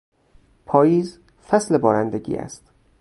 پاییز فصل بارندگی است.